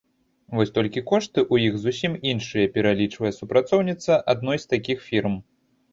Вось толькі кошты ў іх зусім іншыя, пералічвае супрацоўніца адной з такіх фірм.